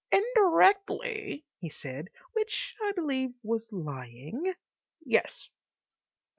"Indirectly," he said, which I believe was lying, "yes."